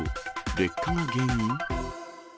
劣化が原因？